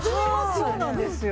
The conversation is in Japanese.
そうなんですよ。